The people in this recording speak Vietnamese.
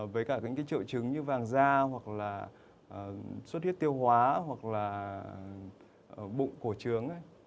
với cả những triệu chứng như vàng da hoặc là suốt hiếp tiêu hóa hoặc là bụng cổ trướng